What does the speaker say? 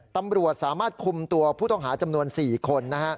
ตำรวจสามารถคุมตัวผู้ต้องหาจำนวน๔คน